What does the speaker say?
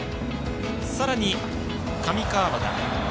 さらに上川畑。